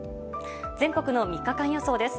全国の３日間予想です。